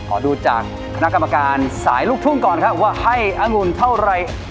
ขอดูจากคณะกรรมการสายลูกทุ่งก่อนครับว่าให้องุ่นเท่าไร